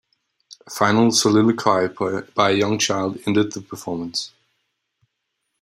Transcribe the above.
A final soliloquy by a young child ended the performance.